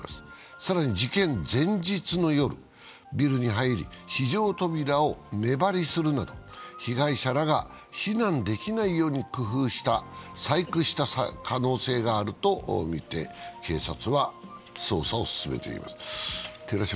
更に事件前日の夜、ビルに入り、非常扉を目張りするなど被害者らが避難できないように工夫、細工した可能性があるとみて警察は捜査を進めています。